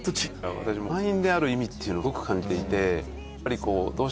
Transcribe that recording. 私も満員である意味っていうのをすごく感じていて。